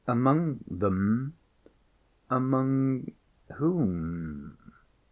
"Among them? Among whom?"